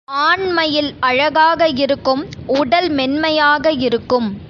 ஆண் மயில் அழகாக இருக்கும் உடல் மென்மையாக இருக்கும்.